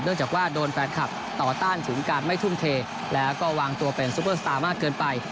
จากว่าโดนแฟนคลับต่อต้านถึงการไม่ทุ่มเทแล้วก็วางตัวเป็นซุปเปอร์สตาร์มากเกินไป